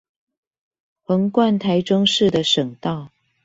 橫貫臺中市的省道